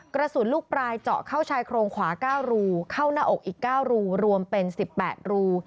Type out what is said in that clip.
กระสุนลูกปลายเจาะเข้าชายโครงขวา๙รูเข้าหน้าอกอีก๙รูรวมเป็น๑๘รู